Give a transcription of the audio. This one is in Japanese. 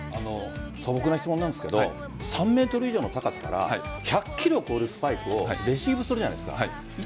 素朴な質問ですが３ｍ以上の高さから１００キロを超えるスパイクをレシーブするじゃないですか。